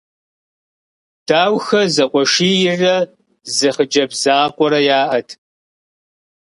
Даухэ зэкъуэшийрэ зы хъыджэбз закъуэрэ яӏэт.